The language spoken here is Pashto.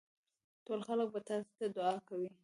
ټول خلک به تاسي ته دعا کوي.